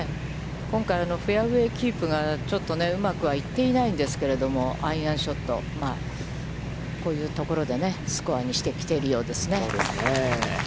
今回、フェアウェイキープがちょっとうまくは行っていないんですけど、アイアンショット、こういうところでスコアにしてきているようですね。